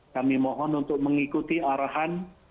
kami mohon untuk mengikuti arahan